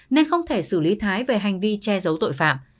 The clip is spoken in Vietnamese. nên không thể xử lý thái về hành vi che giấu tội phạm